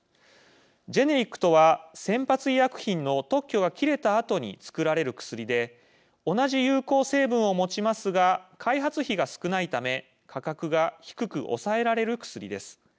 ジェネリックとは先発医薬品の特許が切れたあとに作られる薬で同じ有効成分を持ちますが開発費が少ないため価格が低く抑えられる薬です。